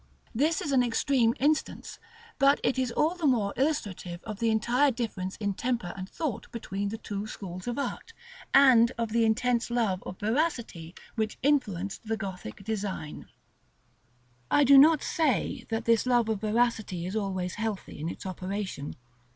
This is an extreme instance, but it is all the more illustrative of the entire difference in temper and thought between the two schools of art, and of the intense love of veracity which influenced the Gothic design. § LXVI. I do not say that this love of veracity is always healthy in its operation.